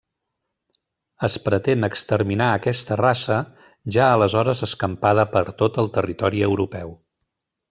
Es pretén exterminar aquesta raça, ja aleshores escampada per tot el territori europeu.